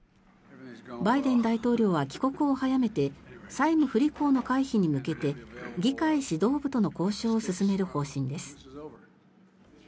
バイデン大統領は帰国を早めて債務不履行の回避に向けて議会指導部との交渉を進める方針です。